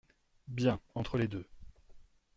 Bien, entre les deux.